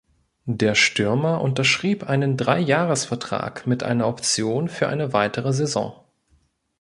Der Stürmer unterschrieb einen Dreijahresvertrag mit einer Option für eine weitere Saison.